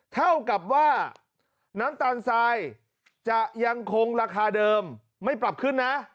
เท่ากับว่าน้ำตาลทรายจะยังคงราคาเดิมไม่ปรับขึ้นนะ